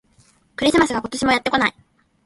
クリスマスが、今年もやってこない